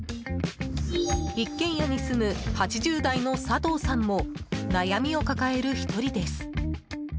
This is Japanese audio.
一軒家に住む８０代の佐藤さんも悩みを抱える１人です。